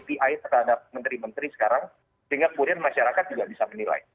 ppi terhadap menteri menteri sekarang sehingga kemudian masyarakat juga bisa menilai